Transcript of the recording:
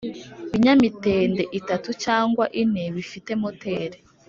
binyamitende itatu cyangwa ine bifite moteri